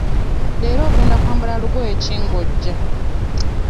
Leero ogenda kwambala lugoye ki nga ojja?